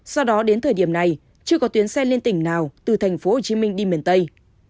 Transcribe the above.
sau đó đến thời điểm này chưa có tuyến xe liên tỉnh nào từ tp hcm đi miền tây